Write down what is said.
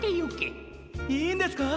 いいんですか？